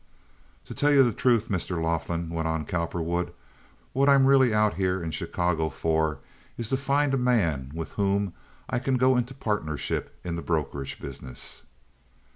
"To tell you the truth, Mr. Laughlin," went on Cowperwood, "what I'm really out here in Chicago for is to find a man with whom I can go into partnership in the brokerage business.